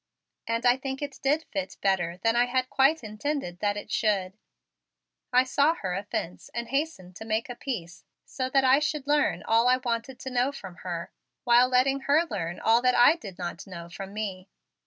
And I think it did fit better than I had quite intended that it should. I saw offense and I hastened to make a peace so that I should learn all that I wanted to know from her while letting her learn all that I did not know from me.